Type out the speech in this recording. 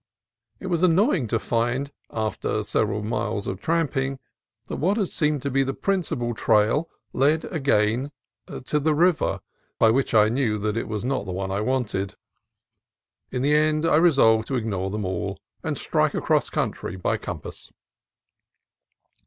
It was annoying to find, after several miles of tramping, that what had seemed to be the principal trail led again to the river, by which I knew it was not the one I wanted. In the end I resolved to ignore them all, and strike across country by compass.